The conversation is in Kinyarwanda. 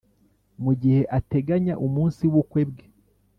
mugihe ateganya umunsi w'ubukwe bwe.